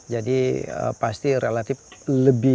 jadi pasti relatif lebih